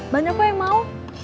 banyak kok yang mau